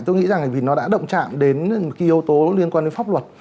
tôi nghĩ rằng là vì nó đã động trạm đến cái yếu tố liên quan đến pháp luật